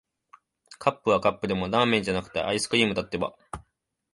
カップはカップでも、ラーメンじゃなくて、アイスクリームだってば。